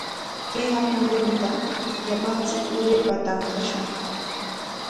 Kay hatun rumita llapanchik urapa tanqashun.